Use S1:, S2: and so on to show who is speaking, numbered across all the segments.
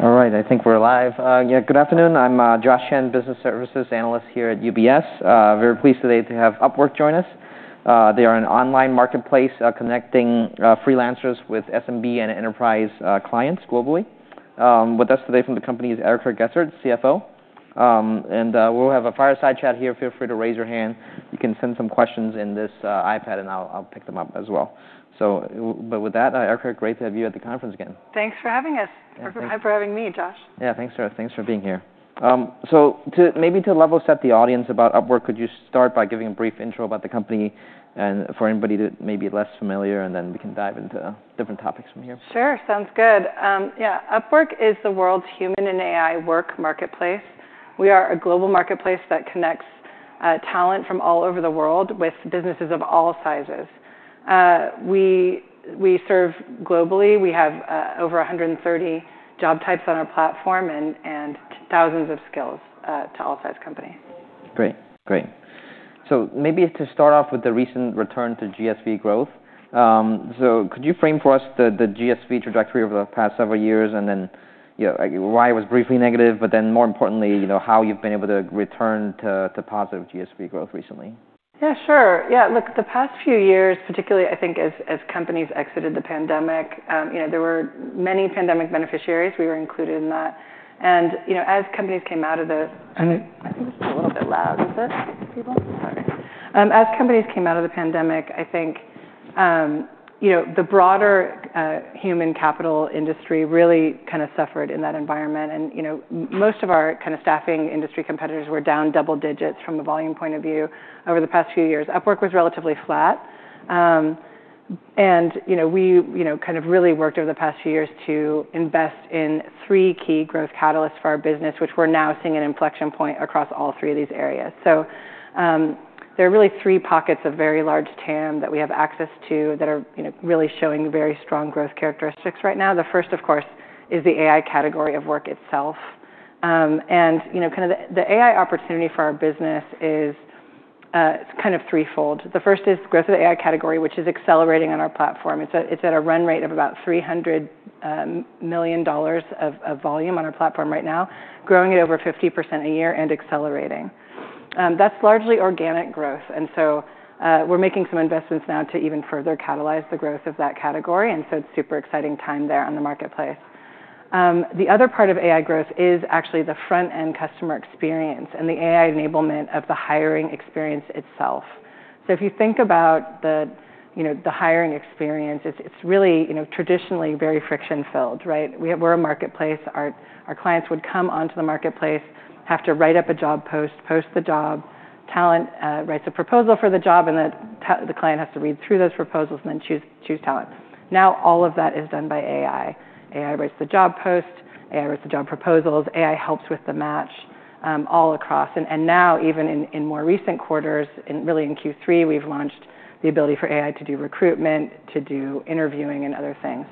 S1: All right.
S2: Okay.
S1: All right. I think we're live. Yeah, good afternoon. I'm Josh Chan, Business Services Analyst here at UBS. Very pleased today to have Upwork join us. They are an online marketplace connecting freelancers with SMB and enterprise clients globally. With us today from the company is Erica Gessert, CFO. We'll have a fireside chat here. Feel free to raise your hand. You can send some questions in this iPad, and I'll pick them up as well. But with that, Erica, great to have you at the conference again.
S2: Thanks for having us.
S1: Thank you.
S2: For having me, Josh.
S1: Yeah. Thanks, sir. Thanks for being here. So to maybe level set the audience about Upwork, could you start by giving a brief intro about the company and for anybody that may be less familiar, and then we can dive into different topics from here?
S2: Sure. Sounds good. Yeah. Upwork is the world's human and AI work marketplace. We are a global marketplace that connects talent from all over the world with businesses of all sizes. We serve globally. We have over 130 job types on our platform and thousands of skills to all size companies.
S1: Great. Great. So maybe to start off with the recent return to GSV growth, so could you frame for us the GSV trajectory over the past several years and then, you know, like, why it was briefly negative, but then more importantly, you know, how you've been able to return to positive GSV growth recently?
S2: Yeah. Sure. Yeah. Look, the past few years, particularly, I think, as companies exited the pandemic, you know, there were many pandemic beneficiaries. We were included in that. And, you know, as companies came out of the pandemic. I think it's a little bit loud. Is it? People? Sorry. As companies came out of the pandemic, I think, you know, the broader human capital industry really kinda suffered in that environment. And, you know, most of our kinda staffing industry competitors were down double digits from a volume point of view over the past few years. Upwork was relatively flat, and, you know, we, you know, kind of really worked over the past few years to invest in three key growth catalysts for our business, which we're now seeing an inflection point across all three of these areas. So, there are really three pockets of very large TAM that we have access to that are, you know, really showing very strong growth characteristics right now. The first, of course, is the AI category of work itself. And, you know, kinda the AI opportunity for our business is, it's kind of threefold. The first is growth of the AI category, which is accelerating on our platform. It's at a run rate of about $300 million of volume on our platform right now, growing at over 50% a year and accelerating. That's largely organic growth. And so, we're making some investments now to even further catalyze the growth of that category. And so it's a super exciting time there on the marketplace. The other part of AI growth is actually the front-end customer experience and the AI enablement of the hiring experience itself. So if you think about the, you know, the hiring experience, it's really, you know, traditionally very friction-filled, right? We're a marketplace. Our clients would come onto the marketplace, have to write up a job post, post the job, talent writes a proposal for the job, and then the client has to read through those proposals and then choose talent. Now all of that is done by AI. AI writes the job post. AI writes the job proposals. AI helps with the match, all across. And now even in more recent quarters, really in Q3, we've launched the ability for AI to do recruitment, to do interviewing, and other things.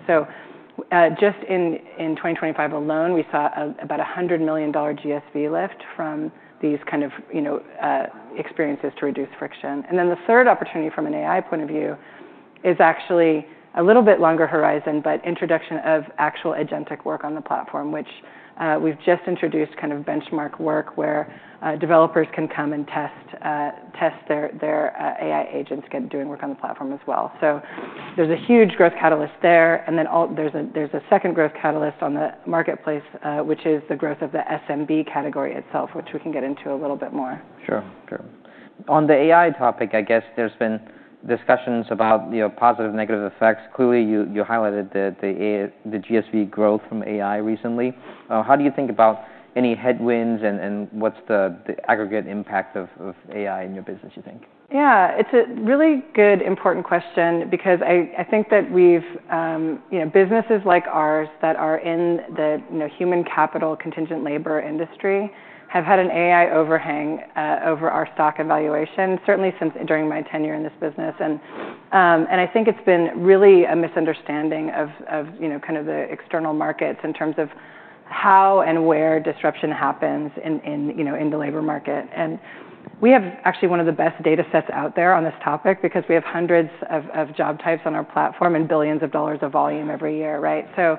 S2: Just in 2025 alone, we saw about a $100 million GSV lift from these kind of, you know, experiences to reduce friction. The third opportunity from an AI point of view is actually a little bit longer horizon, but introduction of actual agentic work on the platform, which we've just introduced kind of benchmark work where developers can come and test their AI agents getting to do work on the platform as well. So there's a huge growth catalyst there. And then also there's a second growth catalyst on the marketplace, which is the growth of the SMB category itself, which we can get into a little bit more.
S1: Sure. Sure. On the AI topic, I guess there's been discussions about, you know, positive and negative effects. Clearly, you highlighted the GSV growth from AI recently. How do you think about any headwinds and what's the aggregate impact of AI in your business, you think?
S2: Yeah. It's a really good, important question because I think that we've, you know, businesses like ours that are in the, you know, human capital contingent labor industry have had an AI overhang over our stock valuation, certainly since during my tenure in this business. And I think it's been really a misunderstanding of, you know, kind of the external markets in terms of how and where disruption happens in, you know, in the labor market. And we have actually one of the best data sets out there on this topic because we have hundreds of job types on our platform and billions of dollars of volume every year, right? So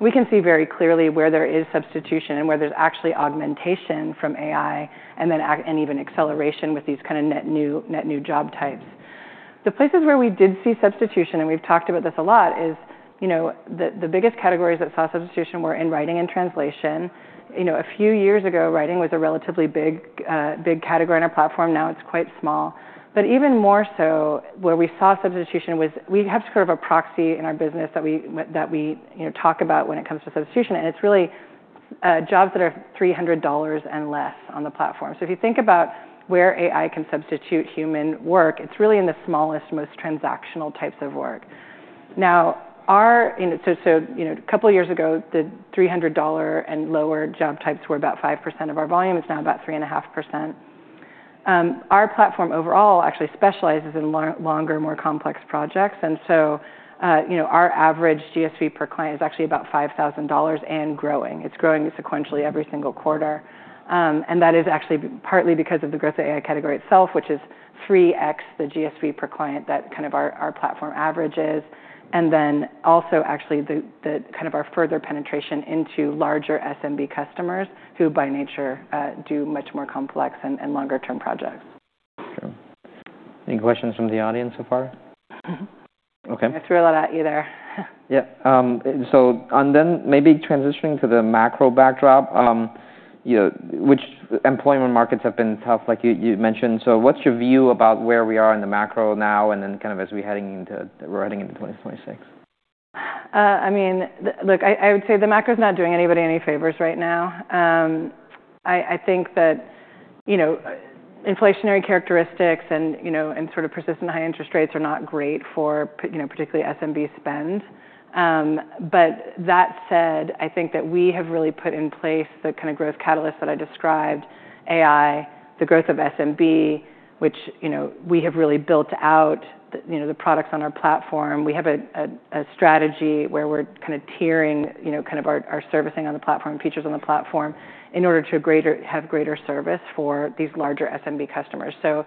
S2: we can see very clearly where there is substitution and where there's actually augmentation from AI and then even acceleration with these kinda net new, net new job types. The places where we did see substitution, and we've talked about this a lot, is, you know, the biggest categories that saw substitution were in writing and translation. You know, a few years ago, writing was a relatively big, big category on our platform. Now it's quite small. But even more so, where we saw substitution was we have sort of a proxy in our business that we, you know, talk about when it comes to substitution. And it's really, jobs that are $300 and less on the platform. So if you think about where AI can substitute human work, it's really in the smallest, most transactional types of work. Now, you know, so, you know, a couple of years ago, the $300 and lower job types were about 5% of our volume. It's now about 3.5%. Our platform overall actually specializes in longer, more complex projects. So, you know, our average GSV per client is actually about $5,000 and growing. It's growing sequentially every single quarter. That is actually partly because of the growth of the AI category itself, which is 3x the GSV per client that kind of our platform averages. Then also actually the kind of our further penetration into larger SMB customers who by nature do much more complex and longer-term projects.
S1: Sure. Any questions from the audience so far?
S2: Mm-hmm.
S1: Okay.
S2: I threw a lot at you there.
S1: Yeah. So, and then maybe transitioning to the macro backdrop, you know, which employment markets have been tough, like you mentioned. So, what's your view about where we are in the macro now, and then kind of as we're heading into 2026?
S2: I mean, look, I would say the macro's not doing anybody any favors right now. I think that, you know, inflationary characteristics and, you know, and sort of persistent high interest rates are not great for, you know, particularly SMB spend. But that said, I think that we have really put in place the kinda growth catalysts that I described: AI, the growth of SMB, which, you know, we have really built out the, you know, the products on our platform. We have a strategy where we're kinda tiering, you know, kind of our servicing on the platform and features on the platform in order to have greater service for these larger SMB customers. So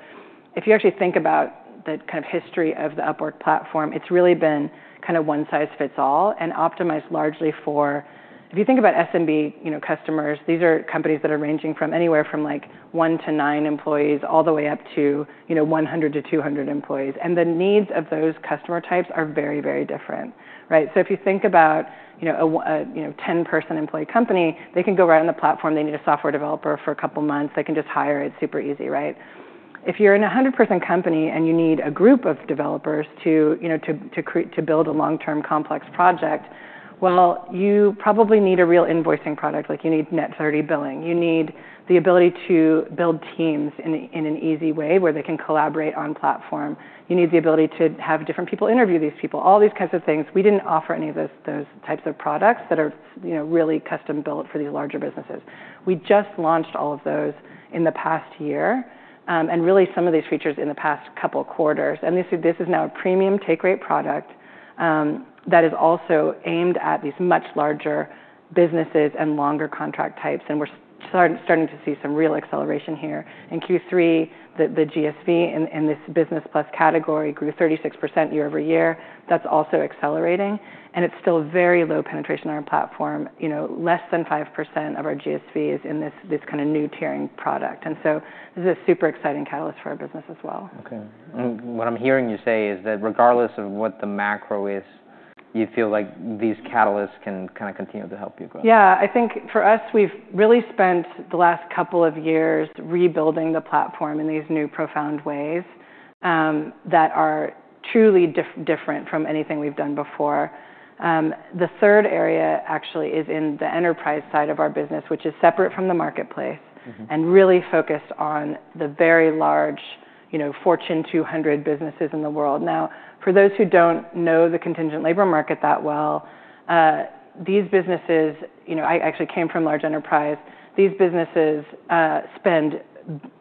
S2: if you actually think about the kind of history of the Upwork platform, it's really been kinda one size fits all and optimized largely for if you think about SMB, you know, customers, these are companies that are ranging from anywhere from like one to nine employees all the way up to, you know, 100-200 employees. And the needs of those customer types are very, very different, right? So if you think about, you know, a 10-person employee company, they can go right on the platform. They need a software developer for a couple of months. They can just hire. It's super easy, right? If you're in a 100-person company and you need a group of developers to, you know, build a long-term complex project, well, you probably need a real invoicing product. Like, you need Net 30 billing. You need the ability to build teams in an easy way where they can collaborate on platform. You need the ability to have different people interview these people, all these kinds of things. We didn't offer any of those types of products that are, you know, really custom-built for these larger businesses. We just launched all of those in the past year, and really some of these features in the past couple of quarters. This is now a premium take rate product that is also aimed at these much larger businesses and longer contract types. We're starting to see some real acceleration here. In Q3, the GSV in this Business Plus category grew 36% year over year. That's also accelerating. It's still very low penetration on our platform, you know, less than 5% of our GSV is in this kinda new tiering product. So this is a super exciting catalyst for our business as well.
S1: Okay. And what I'm hearing you say is that regardless of what the macro is, you feel like these catalysts can kinda continue to help you grow?
S2: Yeah. I think for us, we've really spent the last couple of years rebuilding the platform in these new profound ways, that are truly different from anything we've done before. The third area actually is in the enterprise side of our business, which is separate from the marketplace.
S1: Mm-hmm.
S2: And really focused on the very large, you know, Fortune 200 businesses in the world. Now, for those who don't know the contingent labor market that well, these businesses, you know, I actually came from large enterprise. These businesses spend,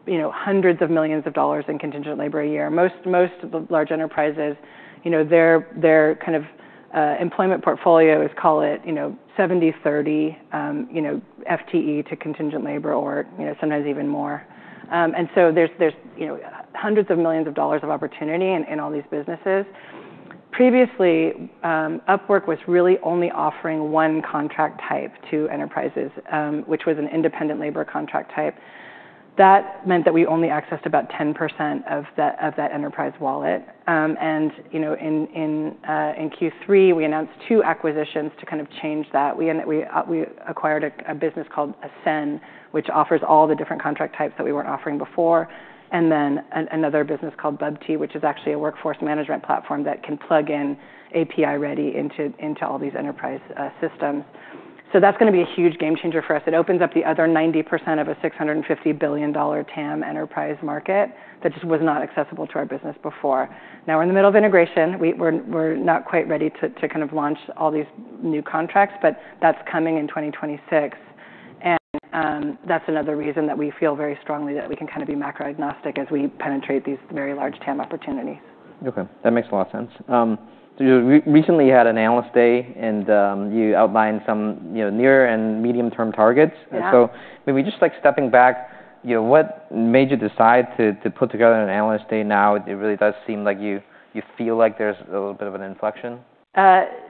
S2: you know, hundreds of millions of dollars in contingent labor a year. Most of the large enterprises, you know, their kind of employment portfolio is, call it, you know, 70/30, you know, FTE to contingent labor or, you know, sometimes even more. And so there's, you know, hundreds of millions of dollars of opportunity in all these businesses. Previously, Upwork was really only offering one contract type to enterprises, which was an independent labor contract type. That meant that we only accessed about 10% of that enterprise wallet. And, you know, in Q3, we announced two acquisitions to kind of change that. We acquired a business called Ascen, which offers all the different contract types that we weren't offering before, and then another business called Bubty, which is actually a workforce management platform that can plug in API ready into all these enterprise systems, so that's gonna be a huge game changer for us. It opens up the other 90% of a $650 billion TAM enterprise market that just was not accessible to our business before. Now we're in the middle of integration. We're not quite ready to kind of launch all these new contracts, but that's coming in 2026, and that's another reason that we feel very strongly that we can kinda be macro-agnostic as we penetrate these very large TAM opportunities.
S1: Okay. That makes a lot of sense, so you recently had an analyst day, and you outlined some, you know, near and medium-term targets.
S2: Yeah.
S1: And so maybe just like stepping back, you know, what made you decide to put together an analyst day now? It really does seem like you feel like there's a little bit of an inflection?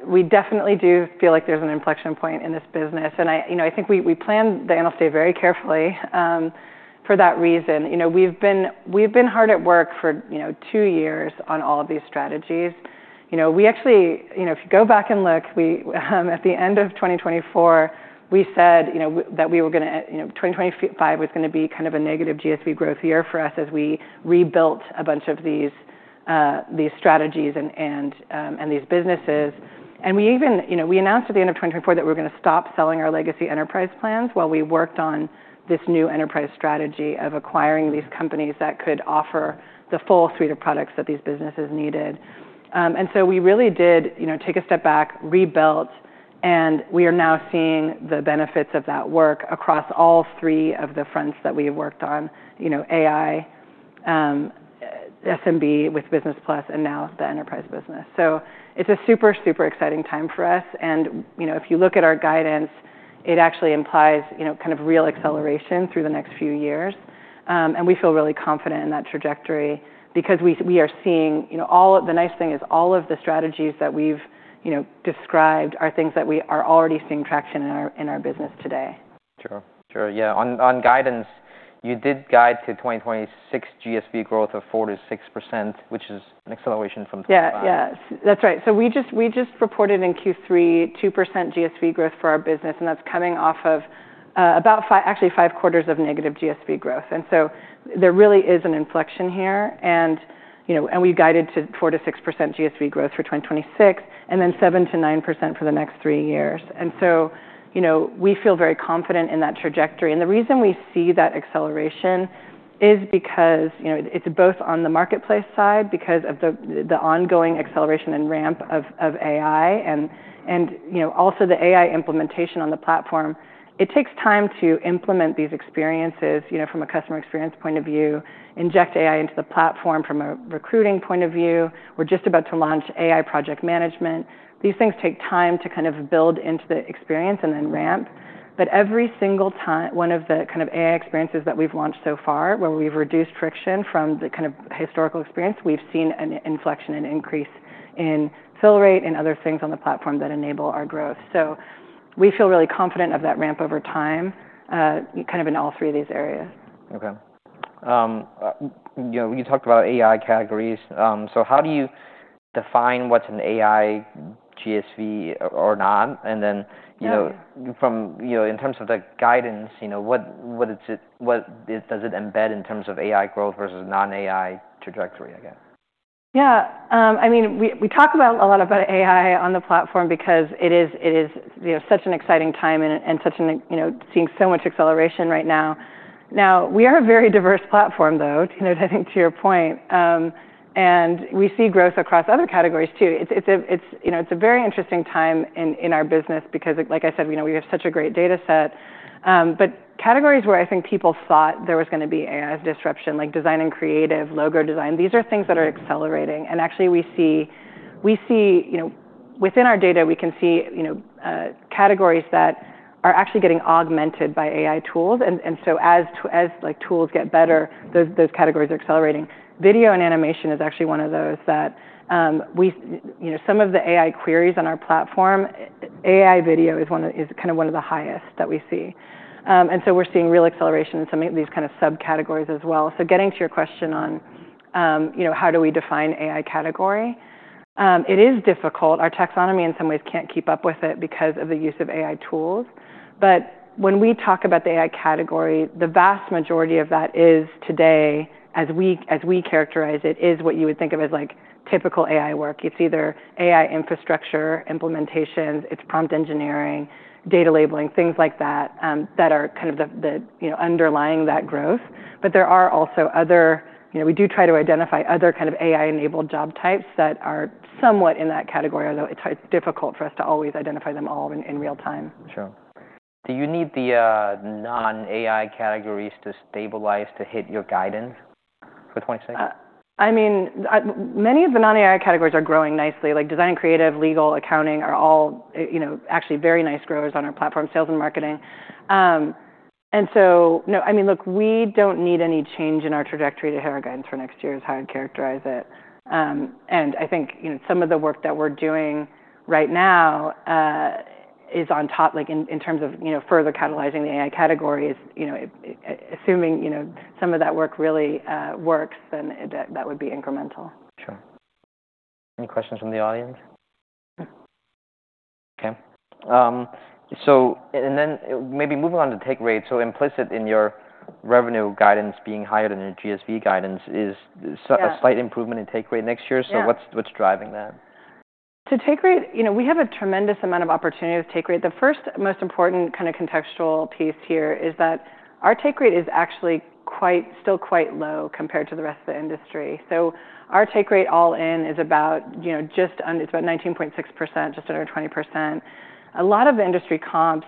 S2: We definitely do feel like there's an inflection point in this business, and I, you know, I think we planned the analyst day very carefully, for that reason. You know, we've been hard at work for, you know, two years on all of these strategies. You know, we actually, you know, if you go back and look, we at the end of 2024 said, you know, that we were gonna, you know, 2025 was gonna be kind of a negative GSV growth year for us as we rebuilt a bunch of these strategies and these businesses, and we even, you know, announced at the end of 2024 that we were gonna stop selling our legacy enterprise plans while we worked on this new enterprise strategy of acquiring these companies that could offer the full suite of products that these businesses needed. And so we really did, you know, take a step back, rebuilt, and we are now seeing the benefits of that work across all three of the fronts that we have worked on, you know, AI, SMB with Business Plus, and now the enterprise business. So it's a super, super exciting time for us. And, you know, if you look at our guidance, it actually implies, you know, kind of real acceleration through the next few years. And we feel really confident in that trajectory because we, we are seeing, you know, all the nice thing is all of the strategies that we've, you know, described are things that we are already seeing traction in our business today.
S1: Sure. Yeah. On guidance, you did guide to 2026 GSV growth of 4%-6%, which is an acceleration from 2025.
S2: Yeah. That's right. So we just reported in Q3 2% GSV growth for our business, and that's coming off of about actually five quarters of negative GSV growth. And so there really is an inflection here. And you know, we guided to 4%-6% GSV growth for 2026 and then 7%-9% for the next three years. And so you know, we feel very confident in that trajectory. And the reason we see that acceleration is because you know, it's both on the marketplace side because of the ongoing acceleration and ramp of AI and also the AI implementation on the platform. It takes time to implement these experiences, you know, from a customer experience point of view, inject AI into the platform from a recruiting point of view. We're just about to launch AI project management. These things take time to kind of build into the experience and then ramp. But every single time one of the kind of AI experiences that we've launched so far where we've reduced friction from the kind of historical experience, we've seen an inflection and increase in fill rate and other things on the platform that enable our growth. So we feel really confident of that ramp over time, kind of in all three of these areas.
S1: Okay. You know, you talked about AI categories, so how do you define what's an AI GSV or not, and then, you know.
S2: Yeah.
S1: From, you know, in terms of the guidance, you know, what is it? What does it embed in terms of AI growth versus non-AI trajectory, I guess?
S2: Yeah. I mean, we talk about a lot about AI on the platform because it is, you know, such an exciting time and such an, you know, seeing so much acceleration right now. Now we are a very diverse platform, though, you know, I think to your point, and we see growth across other categories too. It's a very interesting time in our business because, like I said, you know, we have such a great data set, but categories where I think people thought there was gonna be AI disruption, like design and creative, logo design, these are things that are accelerating. And actually we see, you know, within our data, we can see, you know, categories that are actually getting augmented by AI tools. As tools get better, those categories are accelerating. Video and animation is actually one of those that, you know, some of the AI queries on our platform. AI video is kind of one of the highest that we see. We're seeing real acceleration in some of these kind of subcategories as well. Getting to your question on, you know, how do we define AI category, it is difficult. Our taxonomy in some ways can't keep up with it because of the use of AI tools. When we talk about the AI category, the vast majority of that is today, as we characterize it, is what you would think of as like typical AI work. It's either AI infrastructure implementations, it's prompt engineering, data labeling, things like that, that are kind of the you know, underlying that growth. But there are also other, you know, we do try to identify other kind of AI-enabled job types that are somewhat in that category, although it's difficult for us to always identify them all in real time.
S1: Sure. Do you need the non-AI categories to stabilize to hit your guidance for 2026?
S2: I mean, many of the non-AI categories are growing nicely. Like design and creative, legal, accounting are all, you know, actually very nice growers on our platform, sales and marketing. And so, no, I mean, look, we don't need any change in our trajectory to hit our guidance for next year. That's how I'd characterize it. And I think, you know, some of the work that we're doing right now is on top, like in terms of, you know, further catalyzing the AI categories, you know, assuming, you know, some of that work really works, then that would be incremental.
S1: Sure. Any questions from the audience?
S2: No.
S1: Okay, so and then maybe moving on to take rate. So implicit in your revenue guidance being higher than your GSV guidance is a slight improvement in take rate next year.
S2: Yeah.
S1: So what's driving that?
S2: To take rate, you know, we have a tremendous amount of opportunity with take rate. The first most important kinda contextual piece here is that our take rate is actually quite low compared to the rest of the industry. So our take rate all in is about, you know, just under 20%. It's about 19.6%. A lot of industry comps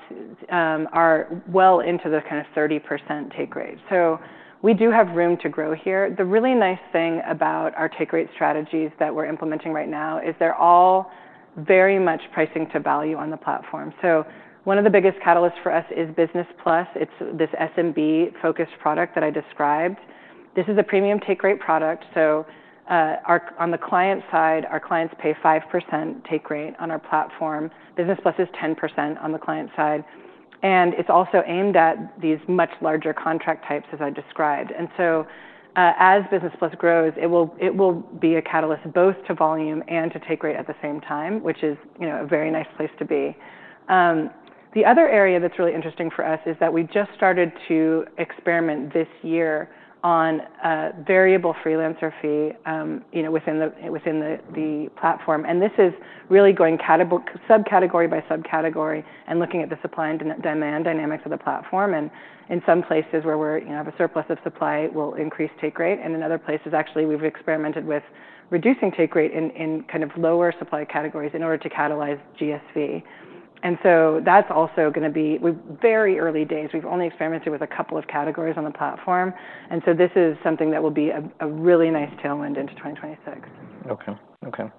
S2: are well into the kind of 30% take rate. So we do have room to grow here. The really nice thing about our take rate strategies that we're implementing right now is they're all very much pricing to value on the platform. So one of the biggest catalysts for us is Business Plus. It's this SMB-focused product that I described. This is a premium take rate product. So, on the client side, our clients pay 5% take rate on our platform. Business Plus is 10% on the client side, and it's also aimed at these much larger contract types, as I described. And so, as Business Plus grows, it will be a catalyst both to volume and to take rate at the same time, which is, you know, a very nice place to be. The other area that's really interesting for us is that we just started to experiment this year on a variable freelancer fee, you know, within the platform. And in some places where we're, you know, have a surplus of supply, we'll increase take rate. And in other places, actually, we've experimented with reducing take rate in kind of lower supply categories in order to catalyze GSV. So that's also gonna be. We're very early days. We've only experimented with a couple of categories on the platform, so this is something that will be a really nice tailwind into 2026.
S1: Okay.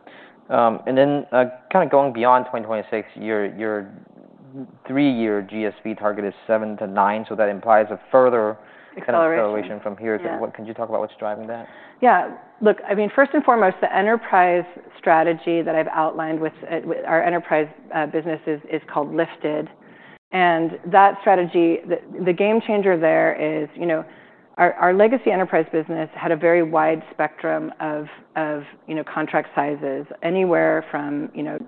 S1: And then, kinda going beyond 2026, your three-year GSV target is seven to nine. So that implies a further.
S2: Acceleration.
S1: Kind of acceleration from here.
S2: Acceleration.
S1: So, what can you talk about? What's driving that?
S2: Yeah. Look, I mean, first and foremost, the enterprise strategy that I've outlined with our enterprise business is called Lifted. And that strategy, the game changer there is, you know, our legacy enterprise business had a very wide spectrum of contract sizes anywhere from, you know,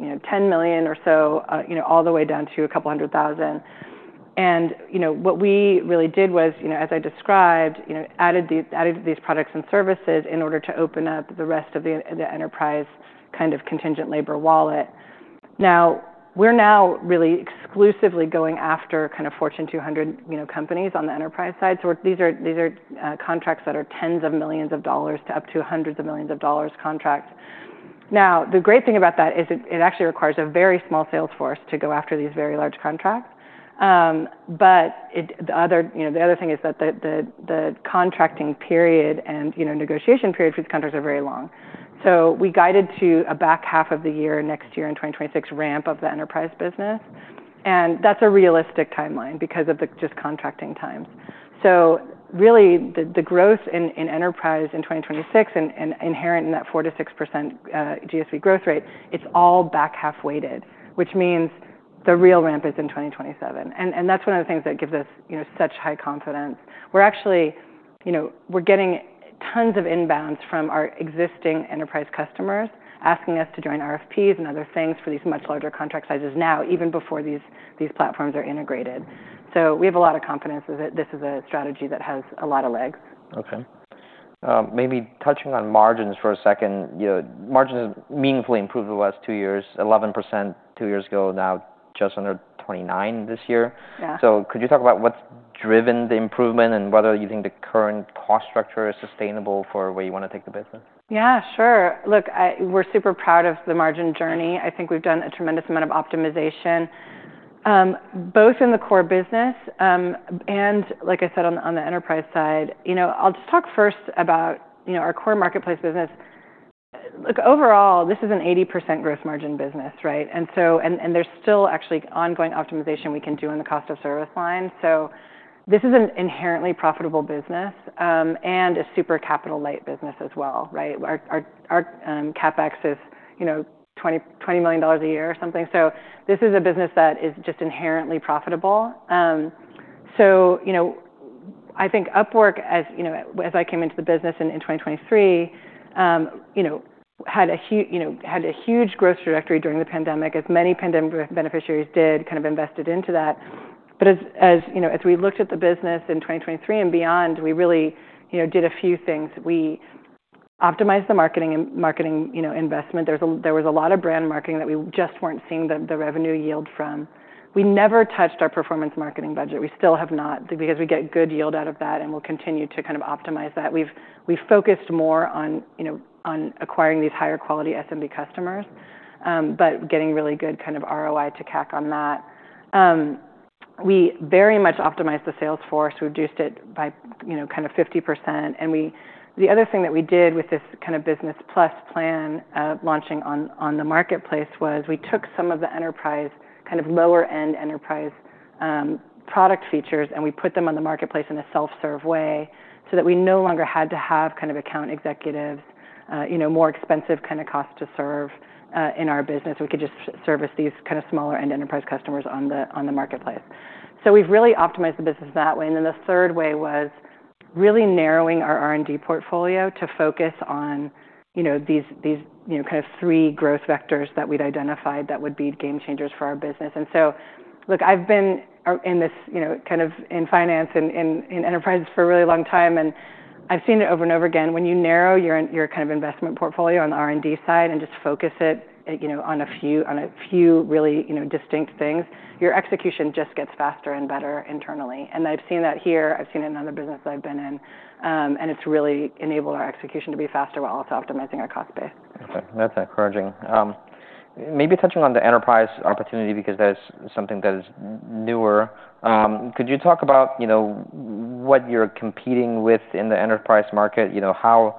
S2: $10 million or so, you know, all the way down to a couple hundred thousand. And, you know, what we really did was, you know, as I described, you know, added these products and services in order to open up the rest of the enterprise kind of contingent labor wallet. Now we're really exclusively going after kind of Fortune 200, you know, companies on the enterprise side. So these are contracts that are tens of millions of dollars to up to hundreds of millions of dollars contracts. Now the great thing about that is it actually requires a very small salesforce to go after these very large contracts. But the other, you know, the other thing is that the contracting period and, you know, negotiation period for these contracts are very long. So we guided to a back half of the year next year in 2026 ramp of the enterprise business. And that's a realistic timeline because of the just contracting times. So really the growth in enterprise in 2026 and inherent in that 4%-6% GSV growth rate, it's all back half weighted, which means the real ramp is in 2027. And that's one of the things that gives us, you know, such high confidence. We're actually, you know, we're getting tons of inbounds from our existing enterprise customers asking us to join RFPs and other things for these much larger contract sizes now, even before these platforms are integrated. So we have a lot of confidence that this is a strategy that has a lot of legs.
S1: Okay, maybe touching on margins for a second. You know, margins meaningfully improved the last two years, 11% two years ago, now just under 29% this year.
S2: Yeah.
S1: So could you talk about what's driven the improvement and whether you think the current cost structure is sustainable for where you wanna take the business?
S2: Yeah. Sure. Look, we're super proud of the margin journey. I think we've done a tremendous amount of optimization, both in the core business, and like I said, on the enterprise side. You know, I'll just talk first about, you know, our core marketplace business. Look, overall, this is an 80% growth margin business, right? And so, and there's still actually ongoing optimization we can do on the cost of service line. So this is an inherently profitable business, and a super capital light business as well, right? Our CapEx is, you know, $20 million a year or something. So this is a business that is just inherently profitable. So, you know, I think Upwork, as you know, as I came into the business in 2023, you know, had a huge growth trajectory during the pandemic, as many pandemic beneficiaries did kind of invested into that. But as you know, as we looked at the business in 2023 and beyond, we really you know did a few things. We optimized the marketing investment. There was a lot of brand marketing that we just weren't seeing the revenue yield from. We never touched our performance marketing budget. We still have not because we get good yield out of that, and we'll continue to kind of optimize that. We've focused more on acquiring these higher quality SMB customers, but getting really good kind of ROI to CAC on that. We very much optimized the sales force. We reduced it by, you know, kind of 50%. And the other thing that we did with this kind of Business Plus plan, launching on the marketplace, was we took some of the enterprise kind of lower-end enterprise product features, and we put them on the marketplace in a self-serve way so that we no longer had to have kind of account executives, you know, more expensive kinda cost to serve, in our business. We could just service these kinda smaller-end enterprise customers on the marketplace. So we've really optimized the business that way. And then the third way was really narrowing our R&D portfolio to focus on, you know, these, you know, kind of three growth vectors that we'd identified that would be game changers for our business. And so, look, I've been in this, you know, kind of in finance and in enterprise for a really long time, and I've seen it over and over again. When you narrow your kind of investment portfolio on the R&D side and just focus it, you know, on a few really, you know, distinct things, your execution just gets faster and better internally. And I've seen that here. I've seen it in other businesses I've been in, and it's really enabled our execution to be faster while also optimizing our cost base.
S1: Okay. That's encouraging. Maybe touching on the enterprise opportunity because that is something that is newer. Could you talk about, you know, what you're competing with in the enterprise market? You know, how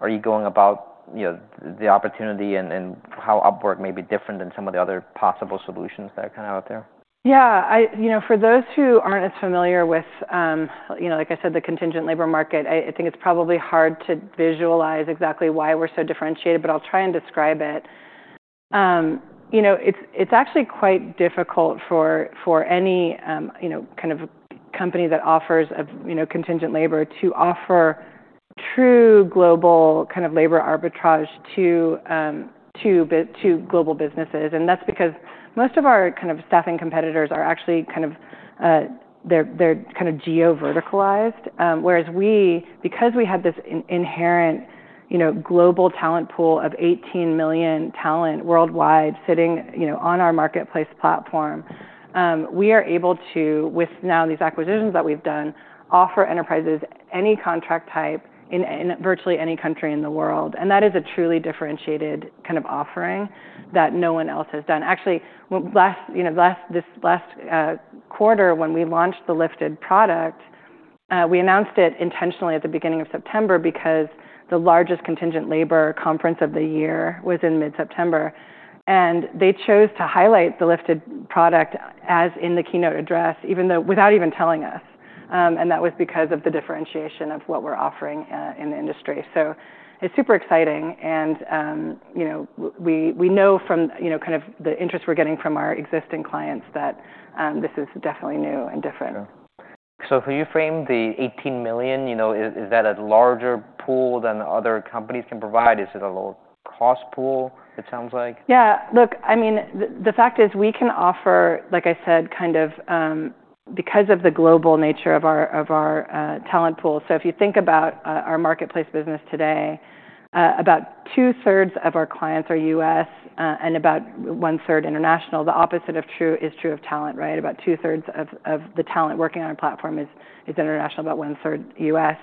S1: are you going about, you know, the opportunity and, and how Upwork may be different than some of the other possible solutions that are kinda out there?
S2: Yeah. I, you know, for those who aren't as familiar with, you know, like I said, the contingent labor market, I think it's probably hard to visualize exactly why we're so differentiated, but I'll try and describe it. You know, it's actually quite difficult for any, you know, kind of company that offers a contingent labor to offer true global kind of labor arbitrage to global businesses. And that's because most of our kind of staffing competitors are actually kind of. They're kinda geo-verticalized. Whereas we, because we have this inherent, you know, global talent pool of 18 million talent worldwide sitting, you know, on our marketplace platform, we are able to, with now these acquisitions that we've done, offer enterprises any contract type in virtually any country in the world. And that is a truly differentiated kind of offering that no one else has done. Actually, last quarter, you know, when we launched the Lifted product, we announced it intentionally at the beginning of September because the largest contingent labor conference of the year was in mid-September. And they chose to highlight the Lifted product as in the keynote address, even though without even telling us. And that was because of the differentiation of what we're offering, in the industry. So it's super exciting. And, you know, we know from, you know, kind of the interest we're getting from our existing clients that, this is definitely new and different.
S1: Sure. So can you frame the 18 million, you know, is that a larger pool than other companies can provide? Is it a low-cost pool, it sounds like?
S2: Yeah. Look, I mean, the fact is we can offer, like I said, kind of, because of the global nature of our talent pool, so if you think about our marketplace business today, about 2/3 of our clients are U.S., and about 1/3 international. The opposite of true is true of talent, right? About 2/3 of the talent working on our platform is international, about 1/3 U.S.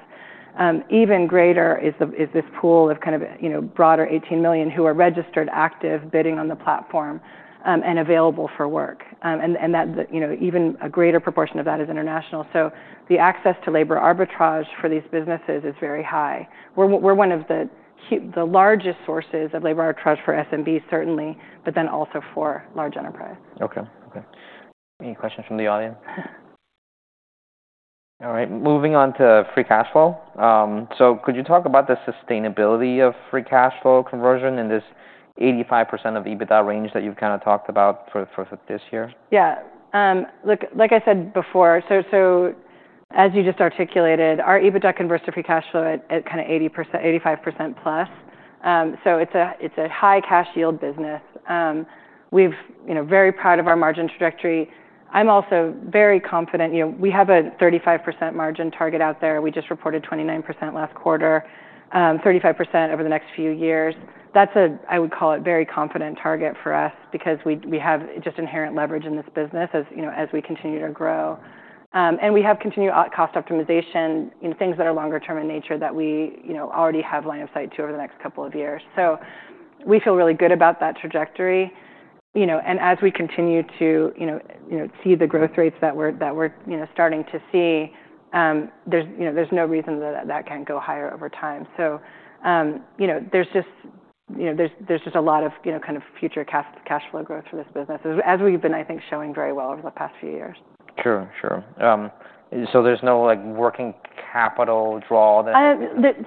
S2: Even greater is this pool of kind of, you know, broader 18 million who are registered, active, bidding on the platform, and available for work, and that, you know, even a greater proportion of that is international, so the access to labor arbitrage for these businesses is very high. We're one of the key, the largest sources of labor arbitrage for SMBs, certainly, but then also for large enterprise.
S1: Okay. Any questions from the audience? All right. Moving on to free cash flow. So could you talk about the sustainability of free cash flow conversion in this 85% of EBITDA range that you've kinda talked about for this year?
S2: Yeah. Look, like I said before, so as you just articulated, our EBITDA converts to free cash flow at kinda 80%-85%+. So it's a high cash yield business. We've, you know, very proud of our margin trajectory. I'm also very confident, you know, we have a 35% margin target out there. We just reported 29% last quarter, 35% over the next few years. That's a, I would call it, very confident target for us because we have just inherent leverage in this business as, you know, as we continue to grow and we have continued cost optimization, you know, things that are longer-term in nature that we, you know, already have line of sight to over the next couple of years. So we feel really good about that trajectory, you know, and as we continue to see the growth rates that we're starting to see, there's no reason that can't go higher over time. So, you know, there's just a lot of, you know, kind of future cash flow growth for this business as we've been, I think, showing very well over the past few years.
S1: Sure. Sure. So there's no, like, working capital draw that.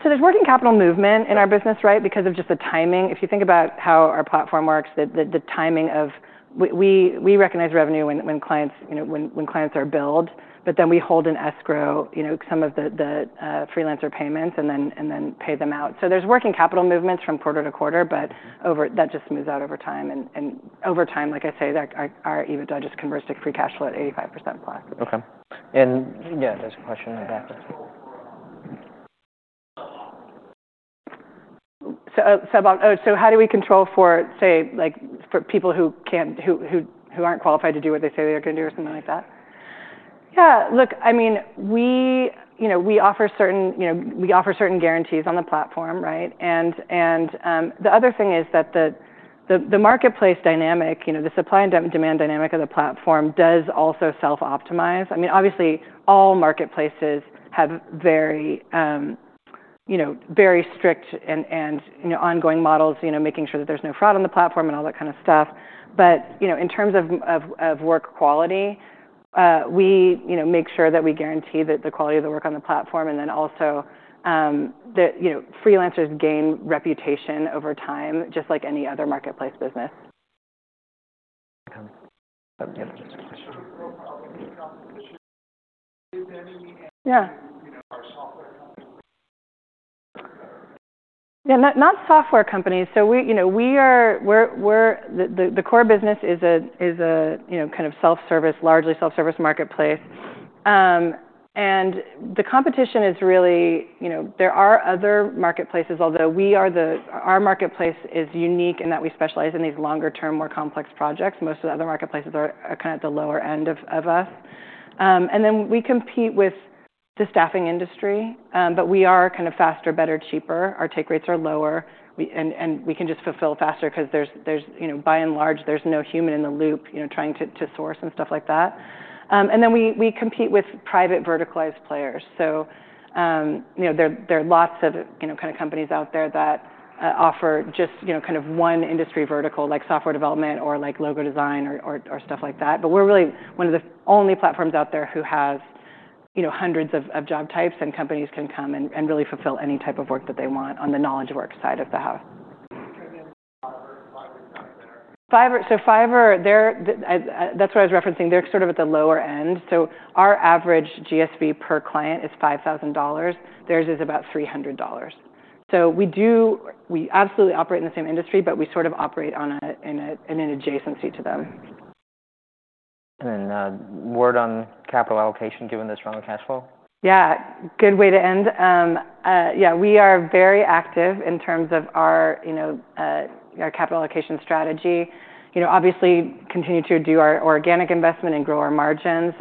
S2: So there's working capital movement in our business, right, because of just the timing. If you think about how our platform works, the timing of when we recognize revenue when clients, you know, when clients are billed, but then we hold an escrow, you know, some of the freelancer payments and then pay them out. So there's working capital movements from quarter to quarter, but over that just smooths out over time. And over time, like I say, our EBITDA just converts to free cash flow at 85%+.
S1: Okay. And yeah, there's a question on that.
S2: So how do we control for, say, like, for people who can't, who aren't qualified to do what they say they're gonna do or something like that? Yeah. Look, I mean, we, you know, we offer certain, you know, we offer certain guarantees on the platform, right? And the other thing is that the marketplace dynamic, you know, the supply and demand dynamic of the platform does also self-optimize. I mean, obviously, all marketplaces have very, you know, very strict and you know, ongoing models, you know, making sure that there's no fraud on the platform and all that kinda stuff. You know, in terms of work quality, we, you know, make sure that we guarantee that the quality of the work on the platform and then also that you know freelancers gain reputation over time, just like any other marketplace business.
S1: Okay.
S2: Yeah. Not software companies. So we, you know, we're the core business is a, you know, kind of self-service, largely self-service marketplace. The competition is really, you know, there are other marketplaces, although our marketplace is unique in that we specialize in these longer-term, more complex projects. Most of the other marketplaces are kinda at the lower end of us. And then we compete with the staffing industry, but we are kinda faster, better, cheaper. Our take rates are lower. And we can just fulfill faster 'cause there's, you know, by and large, there's no human in the loop, you know, trying to source and stuff like that. And then we compete with private verticalized players. So, you know, there are lots of, you know, kinda companies out there that offer just, you know, kind of one industry vertical, like software development or like logo design or stuff like that. But we're really one of the only platforms out there who has, you know, hundreds of job types, and companies can come and really fulfill any type of work that they want on the knowledge work side of the house.
S1: Fiverr?
S2: Fiverr? So Fiverr, they're, that's what I was referencing. They're sort of at the lower end. So our average GSV per client is $5,000. Theirs is about $300. So we absolutely operate in the same industry, but we sort of operate in an adjacency to them.
S1: Word on capital allocation given this round of cash flow?
S2: Yeah. Good way to end. Yeah, we are very active in terms of our, you know, our capital allocation strategy. You know, obviously, continue to do our organic investment and grow our margins.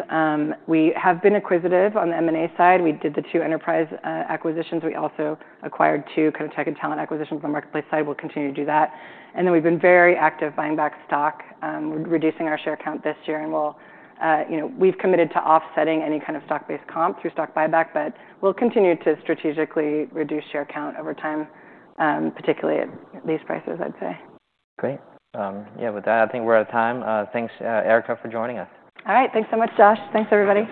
S2: We have been acquisitive on the M&A side. We did the two enterprise acquisitions. We also acquired two kinda tech and talent acquisitions on the marketplace side. We'll continue to do that. And then we've been very active buying back stock, reducing our share count this year. And we'll, you know, we've committed to offsetting any kind of stock-based comp through stock buyback, but we'll continue to strategically reduce share count over time, particularly at these prices, I'd say.
S1: Great. Yeah, with that, I think we're out of time. Thanks, Erica, for joining us.
S2: All right. Thanks so much, Josh. Thanks, everybody.